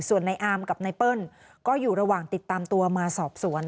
ส่วนในอามกับไนเปิ้ลก็อยู่ระหว่างติดตามตัวมาสอบสวน